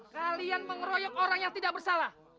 kalian loh yang orang yang tidak bersalah